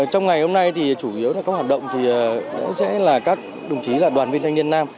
trong ngày hôm nay chủ yếu các hoạt động sẽ là các đồng chí là đoàn viên thanh niên nam